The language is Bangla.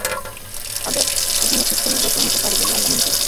তাদের অধীনে সুষ্ঠু নির্বাচন হতে পারে বলে আমরা মনে করি না।